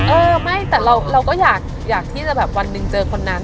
เออไม่แต่เราก็อยากที่จะแบบวันหนึ่งเจอคนนั้น